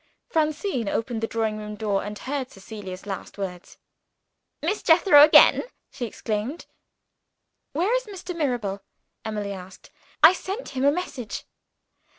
Francine opened the drawing room door and heard Cecilia's last words. "Miss Jethro again!" she exclaimed. "Where is Mr. Mirabel?" Emily asked. "I sent him a message."